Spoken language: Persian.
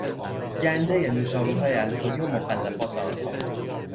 گنجهی نوشابههای الکلی و مخلفات آنها